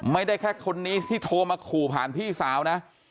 ไม่ได้แค่คนนี้ที่โทรมาขู่ผ่านพี่สาวนะ